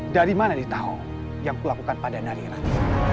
dari mana ditahu yang kulakukan pada nari ratih